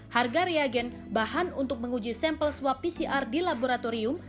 harga reagen bahan untuk menguji sampel swab pcr di laboratorium